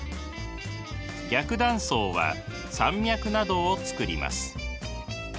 逆断層は山脈などをつくります。